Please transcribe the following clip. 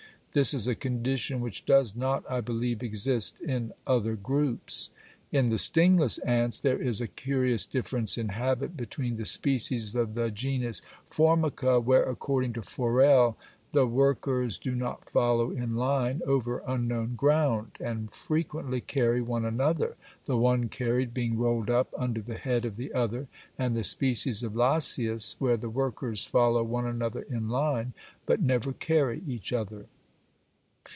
This is a condition which does not, I believe, exist in other groups. In the stingless ants there is a curious difference in habit between the species of the genus Formica, where, according to Forel, the workers do not follow in line over unknown ground, and frequently carry one another, the one carried being rolled up under the head of the other, and the species of Lasius, where the workers follow one another in line, but never carry each other.